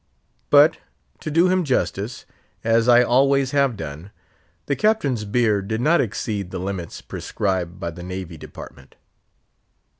But, to do him justice—as I always have done—the Captain's beard did not exceed the limits prescribed by the Navy Department.